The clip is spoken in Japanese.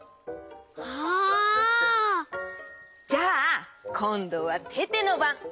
あ！じゃあこんどはテテのばん！